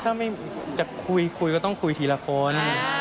ถ้าไม่จะคุยคุยก็ต้องคุยทีละคน